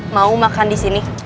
mau makan disini